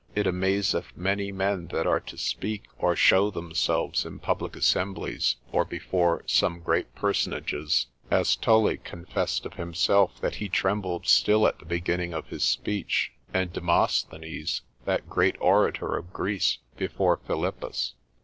It amazeth many men that are to speak, or show themselves in public assemblies, or before some great personages, as Tully confessed of himself, that he trembled still at the beginning of his speech; and Demosthenes, that great orator of Greece, before Philippus.